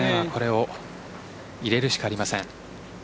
これを入れるしかありません。